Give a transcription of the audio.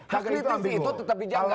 ketika kritis itu tetap dijangka